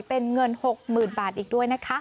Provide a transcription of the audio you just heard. เป็นเงิน๖๐๐๐บาทอีกด้วยนะคะ